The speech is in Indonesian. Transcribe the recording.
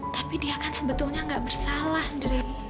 tapi dia kan sebetulnya gak bersalah andre